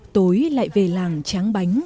tối lại về làng tráng bánh